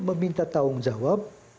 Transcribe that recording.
meminta tanggung jawab